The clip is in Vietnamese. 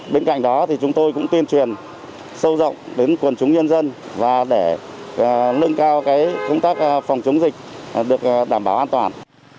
bên cạnh đó thì chúng tôi cũng tuyên truyền sâu rộng đến quần chúng nhân dân và để lưng cao công tác phòng chống dịch được đảm bảo an toàn